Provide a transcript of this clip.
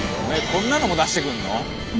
こんなのも出してくるの？